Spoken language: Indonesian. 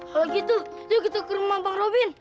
kalau gitu yuk kita ke rumah bang robin